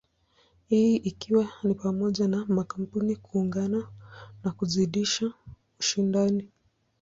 Hii ikiwa ni pamoja na makampuni kuungana na kuzidisha ushindani.